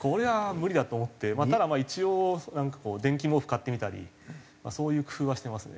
ただ一応電気毛布買ってみたりそういう工夫はしてますね。